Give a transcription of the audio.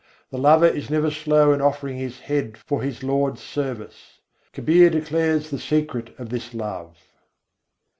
The lover is never slow in offering his head for his Lord's service. Kabîr declares the secret of this love.